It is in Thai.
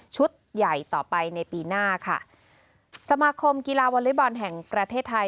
ใหญ่ต่อไปในปีหน้าค่ะสมาคมกีฬาวอเล็กบอลแห่งประเทศไทย